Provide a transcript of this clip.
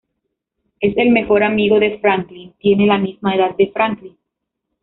Es el mejor amigo de Franklin, tiene la misma edad de Franklin.